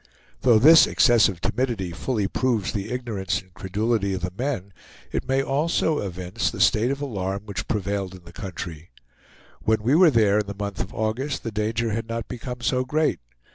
Though this excessive timidity fully proves the ignorance and credulity of the men, it may also evince the state of alarm which prevailed in the country. When we were there in the month of August, the danger had not become so great.